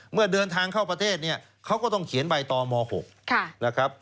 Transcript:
เมื่อเดินทางเข้าประเทศเนี่ยเขาก็ต้องเขียนใบตม๖นะครับ